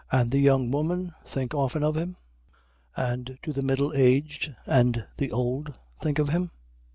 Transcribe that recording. and the young woman think often of him? and do the middle aged and the old think of him?